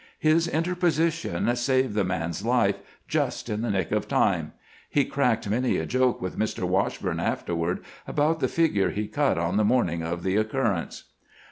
His inter position saved the man's life just in the nick of time. He cracked many a joke with Mr. Washburne afterward about the figure he cut on the morning of the occur rence.